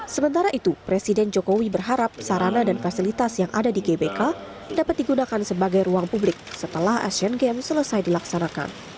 sementara itu presiden jokowi berharap sarana dan fasilitas yang ada di gbk dapat digunakan sebagai ruang publik setelah asian games selesai dilaksanakan